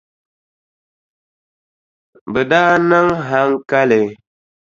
Bɛ daa niŋ haŋkali.